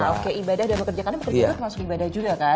oke ibadah dan bekerja karena bekerjanya termasuk ibadah juga kan